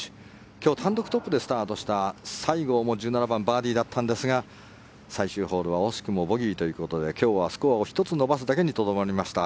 今日単独トップでスタートした西郷も１７番バーディーだったんですが最終ホールは惜しくもボギーということで今日はスコアを１つ伸ばすだけにとどまりました。